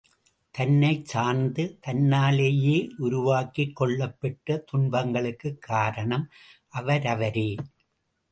தன்னைச் சார்ந்து தன்னாலேயே உருவாக்கிக் கொள்ளப் பெற்ற துன்பங்களுக்கு காரணம் அவரவரே.